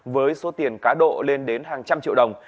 với số tiền cá độ lên đến hàng trăm triệu đồng